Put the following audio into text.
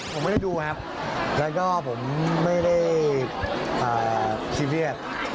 ผมไม่ได้ดูครับแล้วก็ผมไม่ได้ซีเรียส